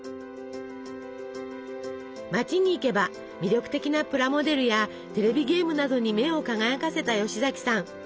街に行けば魅力的なプラモデルやテレビゲームなどに目を輝かせた吉崎さん。